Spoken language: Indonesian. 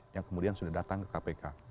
yang kemudian sudah datang ke kpk